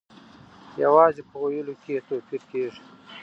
یوازې په ویلو کې یې توپیر کیږي.